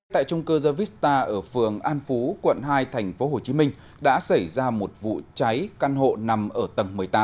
tại trung cư zavista ở phường an phú quận hai tp hcm đã xảy ra một vụ cháy căn hộ nằm ở tầng một mươi tám